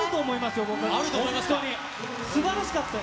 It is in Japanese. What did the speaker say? すばらしかった。